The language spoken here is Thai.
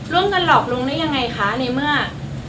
ร่วมกันหลอกลวงได้ยังไงคะในเมื่อ